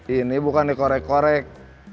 ini bukan dikorek korek